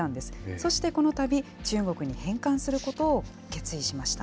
そして、このたび、中国に返還することを決意しました。